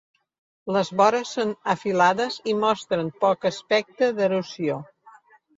Les vores són afilades i mostren poc aspecte d'erosió.